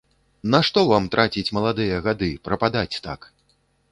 Нашто вам траціць маладыя гады, прападаць так?